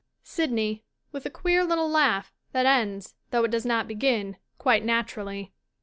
SYDNEY [With a queer little laugh that ends, though it does not begin, quite naturally.'